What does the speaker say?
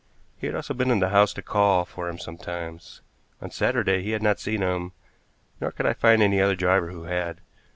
He has also been to the house to call for him sometimes. On Saturday he had not seen him, nor could I find any other driver who had.